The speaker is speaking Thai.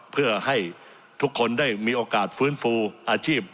เพื่อให้ทุกคนได้มีโอกาสฟื้นฟูอาชีพ